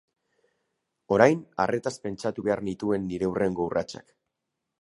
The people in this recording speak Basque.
Orain arretaz pentsatu behar nituen nire hurrengo urratsak.